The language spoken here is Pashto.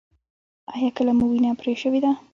ایا کله مو وینه پرې شوې ده؟